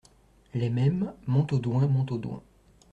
Les Mêmes, Montaudoin Montaudoin.